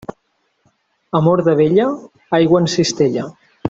Amor de vella, aigua en cistella.